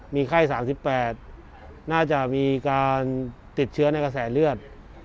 มีไข้๓๘น่าจะมีการติดเชื้อในกระแสเลือด